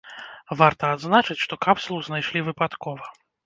Варта адзначыць, што капсулу знайшлі выпадкова.